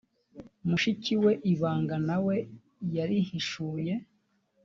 mushiki we ibanga na we yarihishuye.